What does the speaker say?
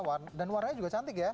sehat ya dan warnanya juga cantik ya